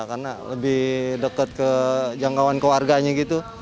karena lebih dekat ke jangkauan keluarganya gitu